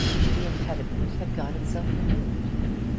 The impediment had got itself removed.